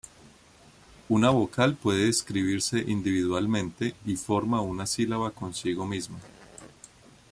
Una vocal puede escribirse individualmente y formar una sílaba consigo misma.